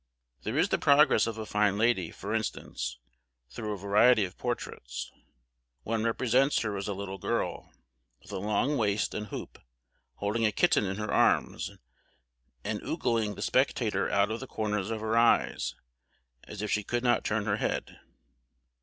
There is the progress of a fine lady, for instance, through a variety of portraits. One represents her as a little girl, with a long waist and hoop, holding a kitten in her arms, and ogling the spectator out of the corners of her eyes, as if she could not turn her head.